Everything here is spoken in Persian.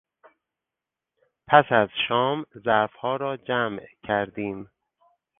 پس از شام ظرفها را جمع کردیم.